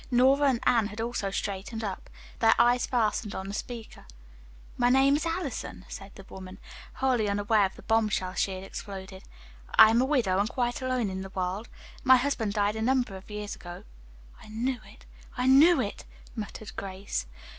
Nora and Anne had also straightened up, their eyes fastened on the speaker. "My name is Allison," said the woman, wholly unaware of the bombshell she had exploded. "I am a widow and quite alone in the world. My husband died a number of years ago." "I knew it, I knew it," muttered Grace.